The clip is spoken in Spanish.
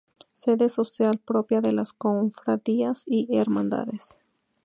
Sede social propia de las cofradías y hermandades.